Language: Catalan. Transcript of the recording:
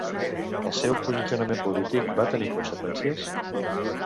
El seu posicionament polític va tenir conseqüències?